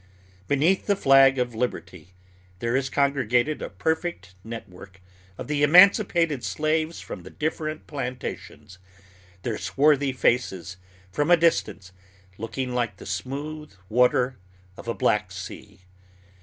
Beneath the flag of liberty there is congregated a perfect network of the emancipated slaves from the different plantations, their swarthy faces, from a distance, looking like the smooth water of a black sea.